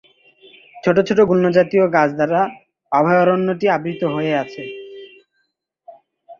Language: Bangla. ছোট ছোট গুল্মজাতীয় গাছ দ্বারা অভয়ারণ্যটি আবৃত হয়ে আছে।